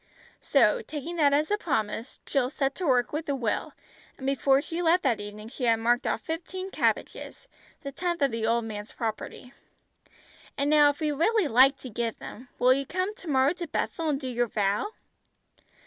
So taking that as a promise Jill set to work with a will, and before she left that evening she had marked off fifteen cabbages, the tenth of the old man's property. "And now if you really like to give them, will you come to morrow to 'Bethel' and do your vow?"